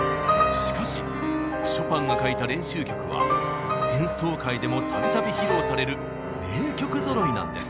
しかしショパンが書いた練習曲は演奏会でもたびたび披露される名曲ぞろいなんです。